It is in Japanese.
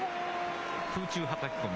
空中はたき込み。